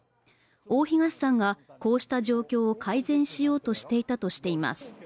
大東さんがこうした状況を改善しようとしていたといいます。